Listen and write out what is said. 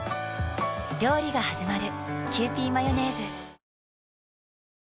料理がはじまる。